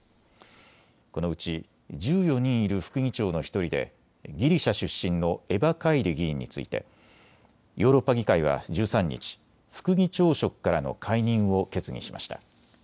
このうち１４人いる副議長の１人でギリシャ出身のエバ・カイリ議員についてヨーロッパ議会は１３日、副議長職からの解任を決議しました。